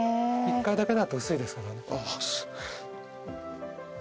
一回だけだと薄いですけどね。